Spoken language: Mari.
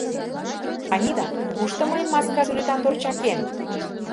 — Анита, кушто мыйын маска сӱретан торчакем?